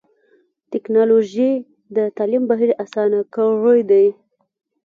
ټکنالوجي د تعلیم بهیر اسان کړی دی.